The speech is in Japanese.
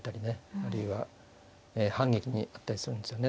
あるいは反撃に遭ったりするんですよね。